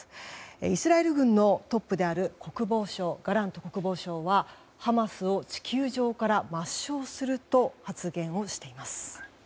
イスラエル軍のトップであるガラント国防相はハマスを地球上から抹消すると発言しています。